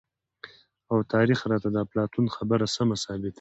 او تاريخ راته د اپلاتون خبره سمه ثابته وي،